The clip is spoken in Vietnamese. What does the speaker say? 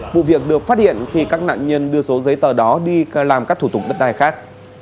vụ việc được phát hiện khi các nạn nhân đưa số giấy tờ đó đi làm các thủ tục đất đai khác